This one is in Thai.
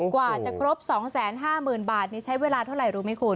กว่าจะครบ๒๕๐๐๐บาทนี่ใช้เวลาเท่าไหร่รู้ไหมคุณ